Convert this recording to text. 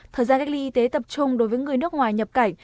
thời gian cách ly y tế tập trung đối với người nước ngoài nhập cảnh